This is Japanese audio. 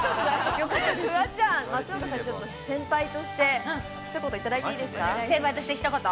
フワちゃん、松岡さんにちょっと先輩として、一言いただいていいですか？